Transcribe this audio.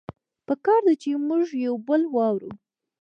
پکار ده چې مونږه يو بل واورو